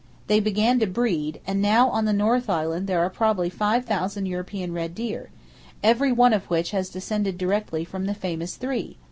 They began to breed, and now on the North Island there are probably five thousand European red deer, every one of which has descended directly from the famous three!